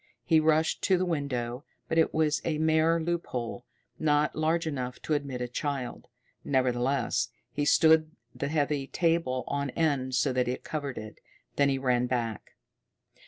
He rushed to the window, but it was a mere loophole, not large enough to admit a child. Nevertheless, he stood the heavy table on end so that it covered it. Then he ran back.